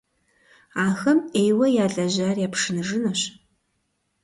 Ахэм Ӏейуэ ялэжьар япшыныжынущ.